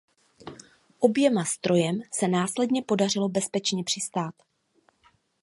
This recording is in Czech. Oběma strojem se následně podařilo bezpečně přistát.